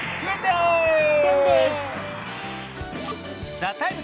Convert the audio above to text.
「ＴＨＥＴＩＭＥ，」